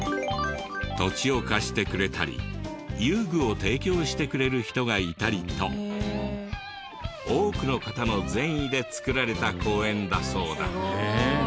土地を貸してくれたり遊具を提供してくれる人がいたりと多くの方の善意で作られた公園だそうだ。